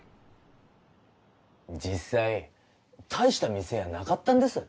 実際大した店やなかったんです